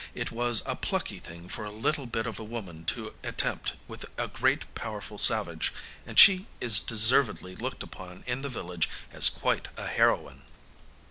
It was a plucky thing for a little bit of a woman to attempt with a great powerful savage, and she is deservedly looked upon in the village as quite a heroine.